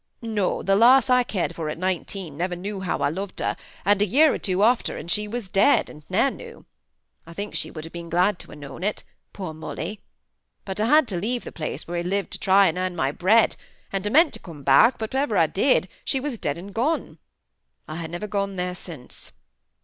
No! the lass I cared for at nineteen ne'er knew how I loved her, and a year or two after and she was dead, and ne'er knew. I think she would ha' been glad to ha' known it, poor Molly; but I had to leave the place where we lived for to try to earn my bread and I meant to come back but before ever I did, she was dead and gone: I ha' never gone there since.